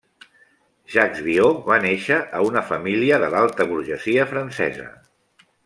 Jacques Viot va néixer a una família de l'alta burgesia francesa.